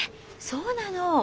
そうなの！